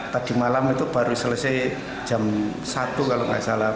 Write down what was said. tadi malam itu baru selesai jam satu kalau nggak salah